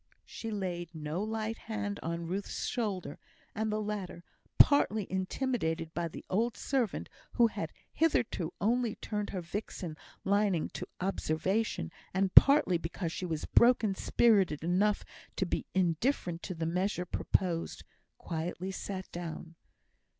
She laid no light hand on Ruth's shoulder; and the latter, partly intimidated by the old servant, who had hitherto only turned her vixen lining to observation, and partly because she was broken spirited enough to be indifferent to the measure proposed, quietly sat down.